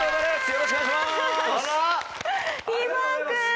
よろしくお願いします！